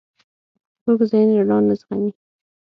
کوږ ذهن رڼا نه زغمي